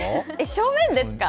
正面ですか？